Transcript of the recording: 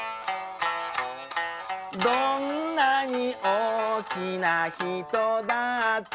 「どんなにおおきなひとだって」